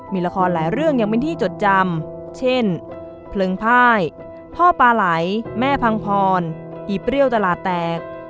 มีละครหลายเรื่องยังเป็นที่จดจำเช่นเพลิงพ่ายพ่อปลาไหลแม่พังพรอีเปรี้ยวตลาดแตก